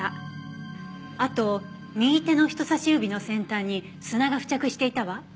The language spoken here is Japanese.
あと右手の人さし指の先端に砂が付着していたわ。